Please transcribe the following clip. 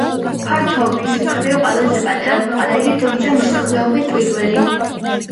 ფართობის მხრივ ყველაზე პატარაა ქვეყანაში, თუმცა მოსახლეობით პირველი.